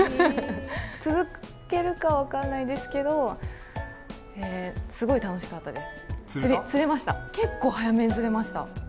続けるか分からないですけどすごい楽しかったです。